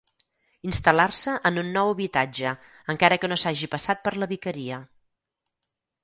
Instal·lar-se en un nou habitatge encara que no s'hagi passat per la vicaria.